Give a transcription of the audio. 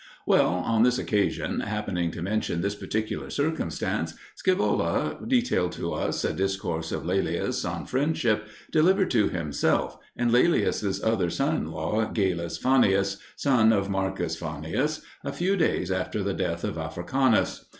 Well, on this occasion, happening to mention this particular circumstance, Scaevola detailed to us a discourse of Laelius on friendship delivered to himself and Laelius's other son in law Galus Fannius, son of Marcus Fannius, a few days after the death of Africanus.